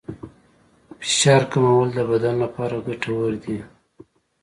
فشار کمول د بدن لپاره ګټور دي.